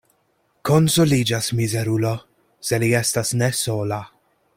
Konsoliĝas mizerulo, se li estas ne sola.